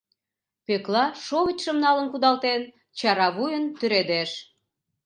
Пӧкла, шовычшым налын кудалтен, чара вуйын тӱредеш.